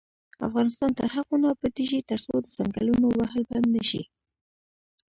افغانستان تر هغو نه ابادیږي، ترڅو د ځنګلونو وهل بند نشي.